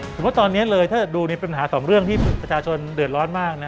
ผมว่าตอนนี้เลยถ้าดูในปัญหาสองเรื่องที่ประชาชนเดือดร้อนมากนะ